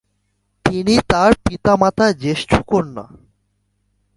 তিনি তার পিতা-মাতার জ্যেষ্ঠ কন্যা।